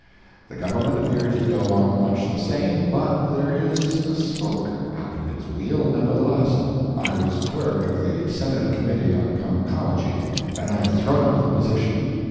The government appears to go on much the same, but there is a spoke out of its wheel, nevertheless. I was clerk of the Senate Committee on Conchology, and I have thrown up the position.